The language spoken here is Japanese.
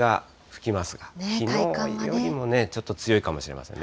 きのうよりもちょっと強いかもしれませんね。